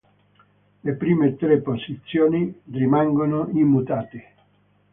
Le prime tre posizioni rimangono immutate.